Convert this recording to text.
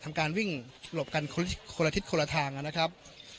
ทำการวิ่งหลบกันคนละทิศคนละทางนะครับ